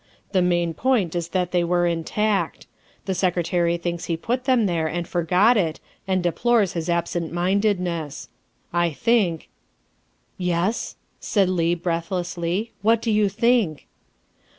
The main point is that they were intact. The Secretary thinks he put them there and forgot it and deplores his absentmindedness. I think " Yes," said Leigh breathlessly, " what do you think?"